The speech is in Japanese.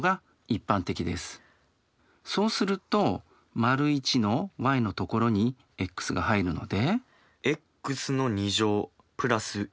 そうすると①のｙのところにｘが入るので。